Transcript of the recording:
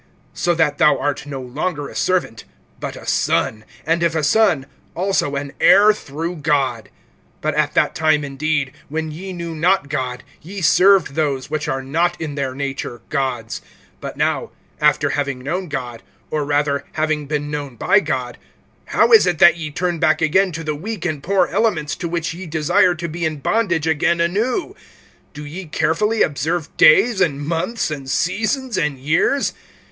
(7)So that thou art no longer a servant, but a son; and if a son, also an heir through God. (8)But at that time indeed, when ye knew not God, ye served those which are not in their nature gods. (9)But now, after having known God, or rather having been known by God, how is it that ye turn back again to the weak and poor elements[4:9], to which ye desire to be in bondage again anew? (10)Do ye carefully observe days, and months, and seasons, and years?